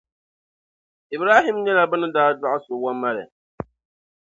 Ibrahim nyɛla bɛ ni daa dɔɣi so Wamale.